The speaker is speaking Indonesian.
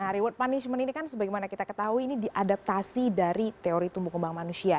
nah reward punishment ini kan sebagaimana kita ketahui ini diadaptasi dari teori tumbuh kembang manusia